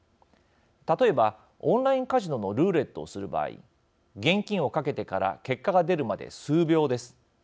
例えば、オンラインカジノのルーレットをする場合現金を賭けてから結果が出るまで数秒です。